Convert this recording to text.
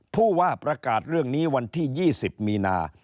ผู้ว่าประกาศเรื่องนี้วันที่๒๐มีนา